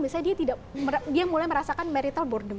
misalnya dia tidak dia mulai merasakan marital boredom